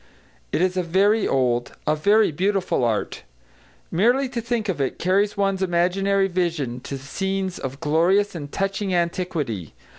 It is a very old, a very beautiful art. Merely to think of it carries one's imaginary vision to scenes of glorious and touching antiquity.